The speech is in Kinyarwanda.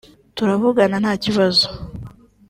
turavugana nta kibazo